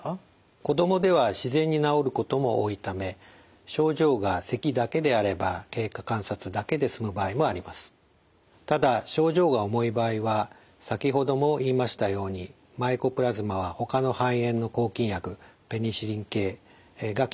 子どもでは自然に治ることも多いためただ症状が重い場合は先ほども言いましたようにマイコプラズマはほかの肺炎の抗菌薬ペニシリン系が効きません。